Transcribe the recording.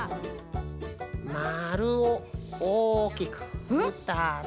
まるをおおきくふたつ。